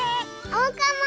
おうかも！